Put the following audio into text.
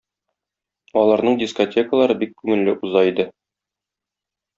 Аларның дискотекалары бик күңелле уза иде.